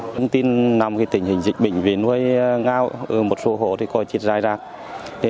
thông tin năm cái tình hình dịch bình vĩnh với ngao ở một số hộ thì có chết rai rạc